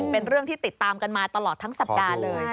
เป็นเรื่องที่ติดตามกันมาตลอดทั้งสัปดาห์เลย